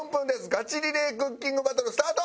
ガチリレークッキングバトルスタート！